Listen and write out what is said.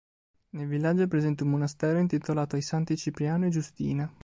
Nel villaggio è presente un monastero intitolato ai santi Cipriano e Giustina.